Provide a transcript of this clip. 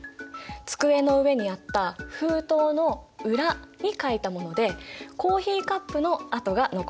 机の上にあった封筒の裏に書いたものでコーヒーカップの跡が残っているらしいんだ。